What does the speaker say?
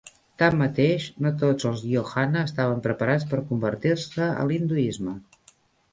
Tanmateix, no tots els "lohana" estaven preparats per convertir-se a l'hinduisme.